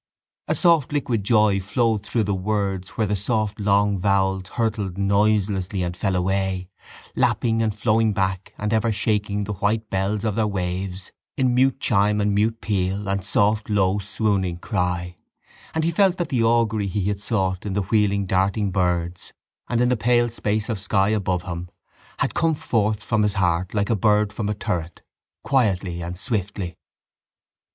A soft liquid joy flowed through the words where the soft long vowels hurtled noiselessly and fell away, lapping and flowing back and ever shaking the white bells of their waves in mute chime and mute peal, and soft low swooning cry; and he felt that the augury he had sought in the wheeling darting birds and in the pale space of sky above him had come forth from his heart like a bird from a turret, quietly and swiftly.